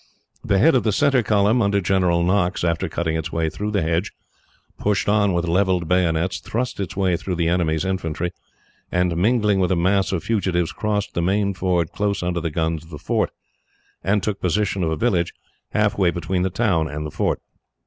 The head of the centre column, under General Knox, after cutting its way through the hedge, pushed on with levelled bayonets, thrust its way through the enemy's infantry, and, mingling with a mass of fugitives, crossed the main ford close under the guns of the fort, and took possession of a village, half way between the town and the fort.